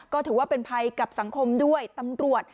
ก็ถือว่าเป็นภัยกับสังคมด้วยตำรวจ